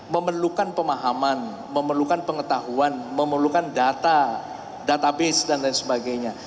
memerlukan pemahaman memerlukan pengetahuan memerlukan data database dan lain sebagainya